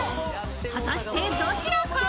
［果たしてどちらか？］